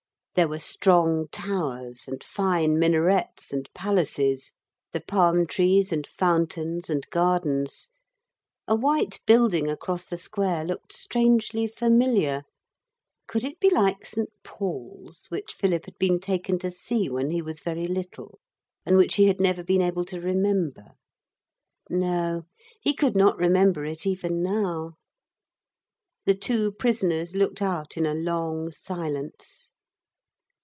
There were strong towers and fine minarets and palaces, the palm trees and fountains and gardens. A white building across the square looked strangely familiar. Could it be like St. Paul's which Philip had been taken to see when he was very little, and which he had never been able to remember? No, he could not remember it even now. The two prisoners looked out in a long silence.